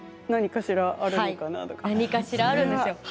何かしらあるんです。